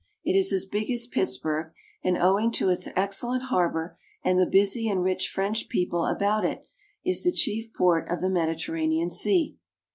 It is as big as Pitts burg, and, owing to its excellent harbor and the busy and rich French people about it, is the chief port of the Medi terranean Sea.